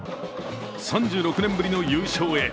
３６年ぶりの優勝へ。